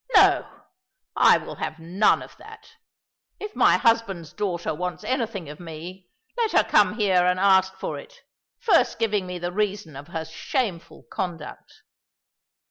No, I will have none of that! If my husband's daughter wants anything of me, let her come here and ask for it, first giving me the reason of her shameful conduct."